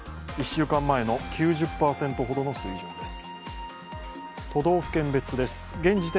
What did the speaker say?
１週間前の９０％ほどの水準です。